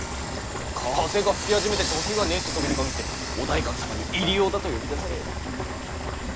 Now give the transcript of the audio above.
もう風が吹き始めて時がねぇって時に限ってお代官様に入り用だと呼び出され。